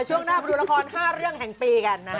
ช่วงหน้ามาดูละคร๕เรื่องแห่งปีกันนะ